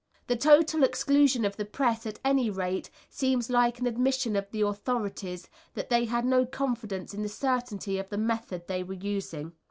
The total exclusion of the press at any rate seemed like an admission of the authorities that they had no confidence in the certainty of the method they were using.